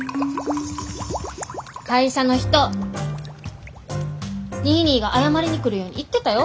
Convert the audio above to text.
会社の人ニーニーが謝りに来るように言ってたよ。